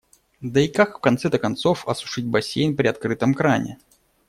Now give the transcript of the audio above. Да и как в конце-то концов осушить бассейн при открытом кране.